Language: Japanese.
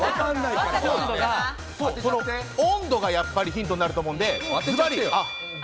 温度がやっぱりヒントになると思うんで、ズバリ。